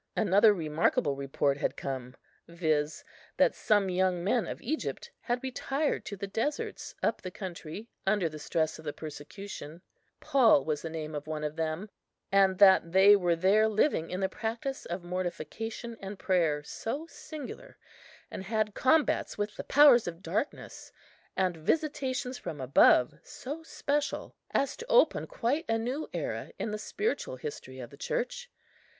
Another remarkable report had come, viz., that some young men of Egypt had retired to the deserts up the country under the stress of the persecution,—Paul was the name of one of them,—and that they were there living in the practice of mortification and prayer so singular, and had combats with the powers of darkness and visitations from above so special, as to open quite a new era in the spiritual history of the Church.